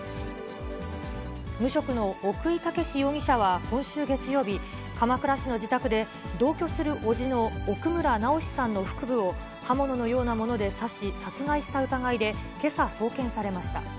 無職の奥井剛容疑者は今週月曜日、鎌倉市の自宅で同居するおじの奥村直司さんの腹部を刃物のようなもので刺し、殺害した疑いでけさ送検されました。